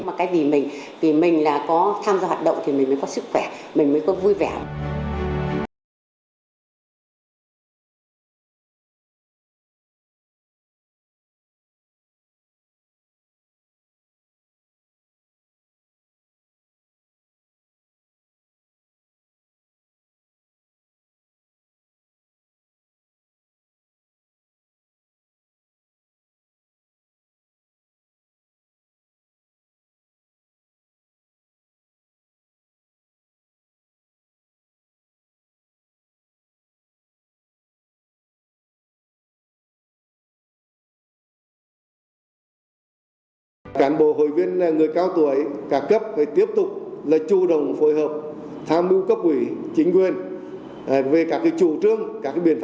mà cái gì mình vì mình là có tham gia hoạt động thì mình mới có sức khỏe mình mới có vui vẻ